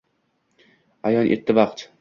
Ayon etdi vaqt —